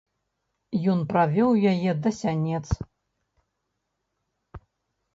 Ён правёў яе да сянец.